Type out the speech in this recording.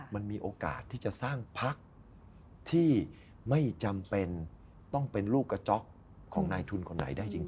มันมีโอกาสที่จะสร้างพักที่ไม่จำเป็นต้องเป็นลูกกระจ๊อกของนายทุนคนไหนได้จริง